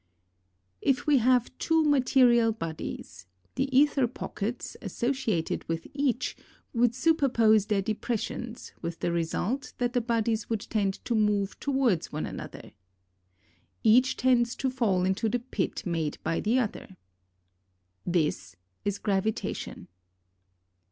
If we have two material bodies, the aether pockets, associated with each, would superpose their depressions, with the result that the bodies would tend to move towards one another. Each tends to fall into the pit made by the other. This is gravitation.